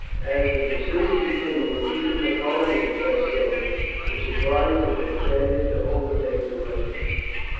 As the pursuit continued even Napoleon's best soldiers were surprised at their failure to overtake the Russians.